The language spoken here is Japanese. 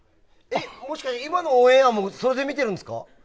もしかして、今のオンエアもそれで見てるんですか？